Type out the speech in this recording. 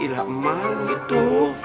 ya ilah emang itu